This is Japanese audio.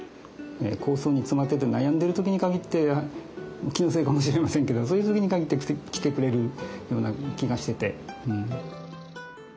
構想に詰まってて悩んでる時に限って気のせいかもしれませんけどそういう時に限って来てくれるような気がしてて。